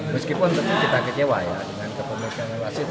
meskipun kita kecewa ya dengan kepemungkinan wasit